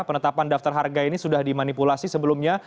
penetapan daftar harga ini sudah dimanipulasi sebelumnya